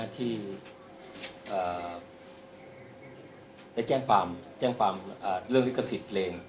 ที่ได้แจ้งความเรื่องลิขสิทธิ์เพลง